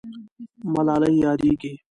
ملالۍ یادېږي.